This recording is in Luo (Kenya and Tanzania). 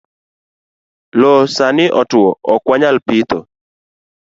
Loo sani otuo ok wanyal pitho